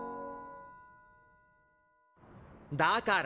だから！